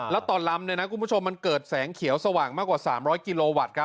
แล้วต่อลำคุณผู้ชมมันเกิดแสงเขียวสว่างมากกว่า๓๐๐กิโลวัตต์